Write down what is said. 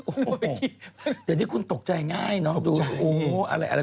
โอ้โฮแต่นี่คุณตกใจง่ายนะ